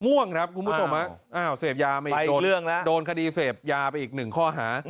ม่วงครับคุณผู้ชมเสพยาไปอีก๑ข้อหา